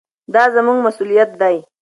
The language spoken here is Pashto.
دا زموږ مسؤلیت دی.